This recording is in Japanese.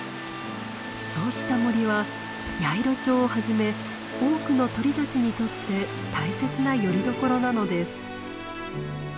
そうした森はヤイロチョウをはじめ多くの鳥たちにとって大切なよりどころなのです。